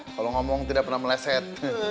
kalau ngomong tidak pernah meleset